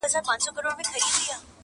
دا خپل عقل مي دښمن دی تل غمګین یم-